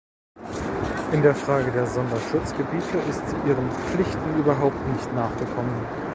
In der Frage der Sonderschutzgebiete ist sie ihren Pflichten überhaupt nicht nachgekommen.